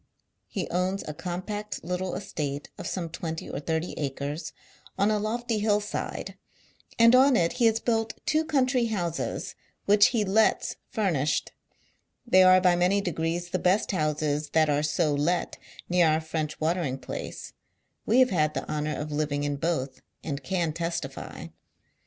He owns a compact little estate of some twenty or thirty acres on a lofty hill side, and on it he has built two country houses which he lets furnished. They are by many degrees the best houses that are so let near our French watering place ; we have had the honour of living in both, ;illli Can testily.